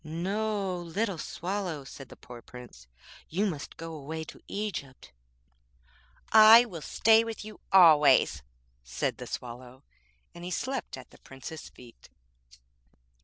'No, little Swallow,' said the poor Prince, 'you must go away to Egypt.' 'I will stay with you always,' said the Swallow, and he slept at the Prince's feet.